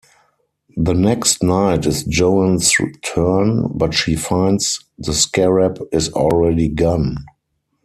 The next night is Joan's turn, but she finds the scarab is already gone.